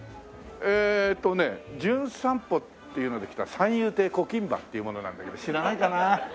えっとね『じゅん散歩』っていうので来た三遊亭小金馬っていう者なんだけど知らないかな。